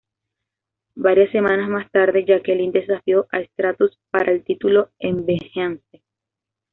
Varias semanas más tarde, Jacqueline desafió a Stratus para el título en Vengeance.